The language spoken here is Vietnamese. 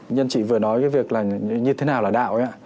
nhân chị vừa nói cái việc là như thế nào là đạo ấy ạ